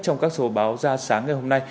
trong các số báo ra sáng ngày hôm nay